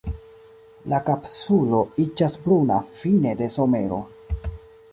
La kapsulo iĝas bruna fine de somero.